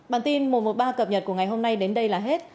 bản tin một trăm một mươi ba cập nhật của ngày hôm nay đến đây là hết